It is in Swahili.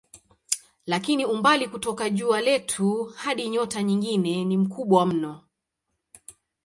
Lakini umbali kutoka jua letu hadi nyota nyingine ni mkubwa mno.